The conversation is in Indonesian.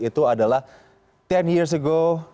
itu adalah sepuluh years ago